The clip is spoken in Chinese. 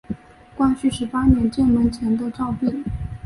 光绪十八年建门前的照壁。